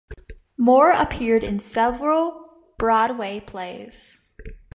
Moore appeared in several Broadway plays.